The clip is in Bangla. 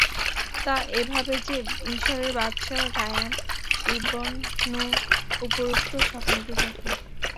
তা এভাবে যে, মিসরের বাদশাহ রায়্যান ইবন নূহ উপরোক্ত স্বপ্নটি দেখেন।